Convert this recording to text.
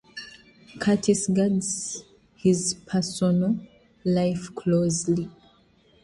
Curtis guards his personal life closely.